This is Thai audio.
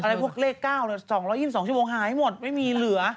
พวกเลข๙๒๒ชั่วโมงหายหมดไม่มีเหลือ